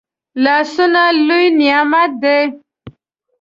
لاسونه لوي نعمت دی